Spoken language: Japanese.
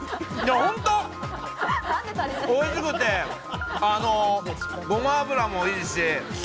ホントおいしくて、ごま油もいいし。